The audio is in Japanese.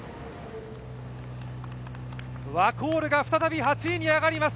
ワコールが再び８位に上がります。